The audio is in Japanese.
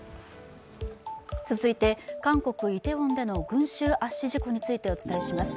続いて韓国・イテウォンでの群集圧死事故についてお伝えします。